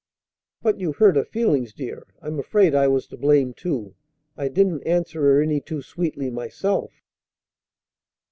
"But you hurt her feelings, dear. I'm afraid I was to blame, too; I didn't answer her any too sweetly myself."